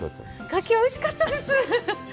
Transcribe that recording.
牡蠣、おいしかったです！